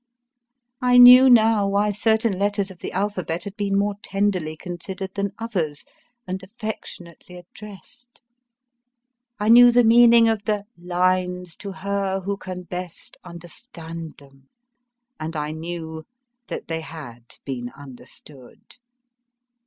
I knew now why certain letters of the alphabet had been more tenderly considered than others, and affectionately addressed. I knew the meaning of the 1 Lines to Her who can best understand them, and I knew that they had been understood.